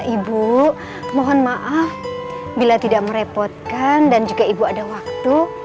ibu mohon maaf bila tidak merepotkan dan juga ibu ada waktu